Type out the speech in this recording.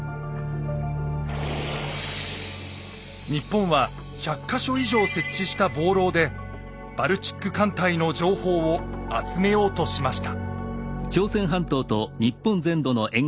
日本は１００か所以上設置した望楼でバルチック艦隊の情報を集めようとしました。